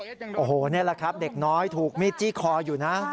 อ่าโหเนี่ยละครับเด็กน้อยถูกมีดจี้คออยู่นะครับ